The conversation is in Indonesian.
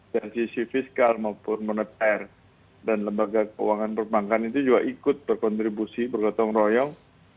dari sisi fiskal maupun moneter dan lembaga keuangan perbankan itu juga ikut berkontribusi bergotong royong